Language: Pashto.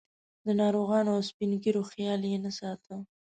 د ناروغانو او سپین ږیرو خیال یې نه ساته.